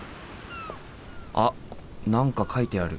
あっ何か書いてある。